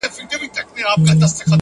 بې له ميني که ژوندون وي که دنیا وي,